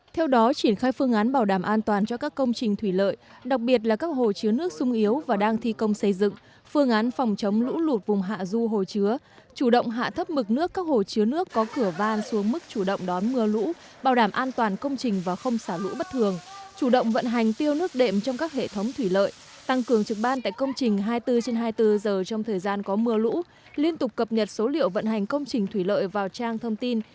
theo đó triển khai phương án bảo đảm an toàn cho các công trình thủy lợi đặc biệt là các hồ chứa nước sung yếu và đang thi công xây dựng phương án phòng chống lũ lụt vùng hạ du hồ chứa chủ động hạ thấp mực nước các hồ chứa nước có cửa van xuống mức chủ động đón mưa lũ bảo đảm an toàn công trình và không xả lũ bất thường chủ động vận hành tiêu nước đệm trong các hệ thống thủy lợi tăng cường trực ban tại công trình hai mươi bốn trên hai mươi bốn giờ trong thời gian có mưa lũ liên tục cập nhật số liệu vận hành công trình thủy lợi vào trang thông tin